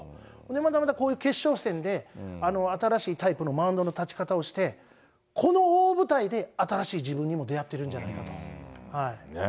またまたこういう決勝戦で、新しいタイプのマウンドの立ち方をして、この大舞台で新しい自分にも出会ってるんじゃないかと。